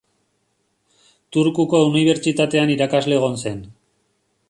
Turkuko unibertsitatean irakasle egon zen.